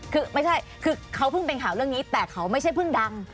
คือไม่ใช่คือเขาเพิ่งเป็นข่าวเรื่องนี้แต่เขาไม่ใช่เพิ่งดัง